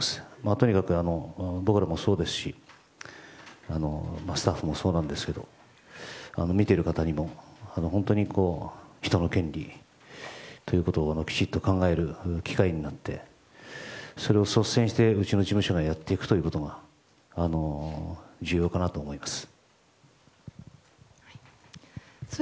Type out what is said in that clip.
とにかく僕らもそうですしスタッフもそうですが見ている方にも本当に人の権利ということをきちっと考える機会になってそれを率先してうちの事務所がやっていくことが重要かなと思います。